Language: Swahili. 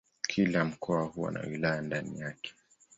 Kila mkoa huwa na wilaya ndani yake.